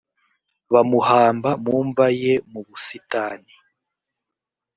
bamuhamba mu mva ye mu busitani